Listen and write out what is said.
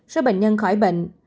số bệnh nhân khỏi bệnh